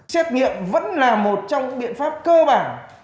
xét nghiệm vẫn là một trong những biện pháp cơ bản